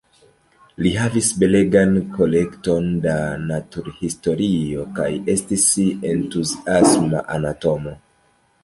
Li havis belegan kolekton da naturhistorio kaj estis entuziasma anatomo.